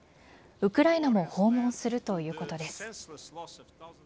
ウクライナも訪問するということです。